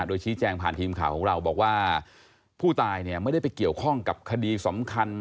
โดยชี้แจงผ่านทีมข่าวของเราบอกว่าผู้ตายเนี่ยไม่ได้ไปเกี่ยวข้องกับคดีสำคัญ